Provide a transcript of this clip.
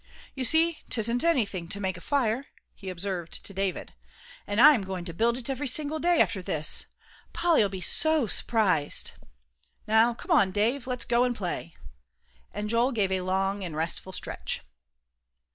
"You see 'tisn't anything to make a fire," he observed to David; "an I'm goin' to build it every single day, after this. Polly'll be so s'prised. Now come on, Dave, let's go an' play," and Joel gave a long and restful stretch.